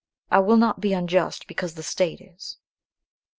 I will not be unjust because the state is."